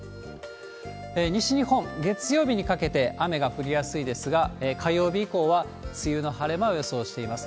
西日本、月曜日にかけて雨が降りやすいですが、火曜日以降は梅雨の晴れ間を予想しています。